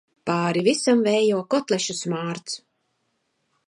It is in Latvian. Pāri visam vējo kotlešu smārds.